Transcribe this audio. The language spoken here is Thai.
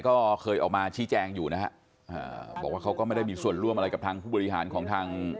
ก็เคยออกมาชี้แจงอยู่นะฮะอ่าบอกว่าเขาก็ไม่ได้มีส่วนร่วมอะไรกับทางผู้บริหารของทาง